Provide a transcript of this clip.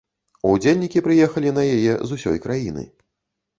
Удзельнікі прыехалі на яе з усёй краіны.